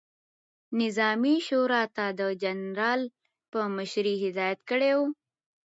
نظامي شورا ته د جنرال په مشري هدایت کړی ؤ،